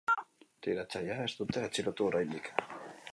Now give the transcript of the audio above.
Tiratzailea ez dute atxilotu oraindik.